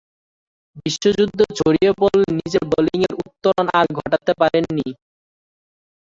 বিশ্বযুদ্ধ ছড়িয়ে পড়লে নিজের বোলিংয়ের উত্তরণ আর ঘটাতে পারেননি।